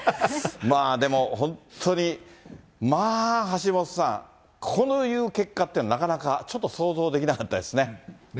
まあ、でも、本当にまあ、橋下さん、こういう結果って、なかなかちょっと想像できなかったですね。